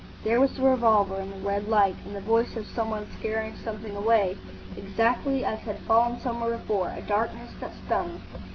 There was the revolver and the red light.... and the voice of some one scaring something away, exactly as had fallen somewhere before,—a darkness that stung.